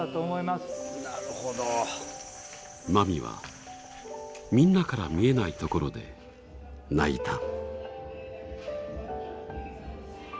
まみは、みんなから見えない所で泣いた。